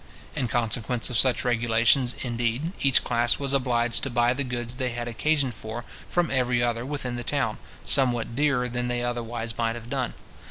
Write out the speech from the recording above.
In consequence of such regulations, indeed, each class was obliged to buy the goods they had occasion for from every other within the town, somewhat dearer than they otherwise might have done.